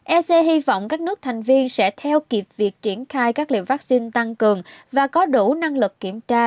ec hy vọng các nước thành viên sẽ theo kịp việc triển khai các liều vaccine tăng cường và có đủ năng lực kiểm tra